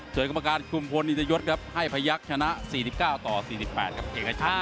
เฉยกรรมการคุมพลนิตยศให้พยักษ์ชนะ๔๙ต่อ๔๘